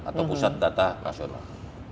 atau pusat data nasional